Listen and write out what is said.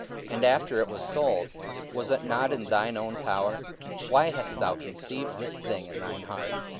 and after it was sold, was it not in thine own power? why hast thou conceived this thing in thine heart?